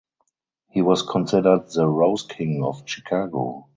He was considered the "Rose King" of Chicago.